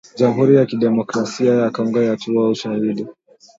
Jamhuri ya Kidemokrasia ya Kongo yatoa ‘ushahidi’